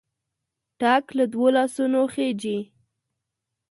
ټک له دوو لاسونو خېژي.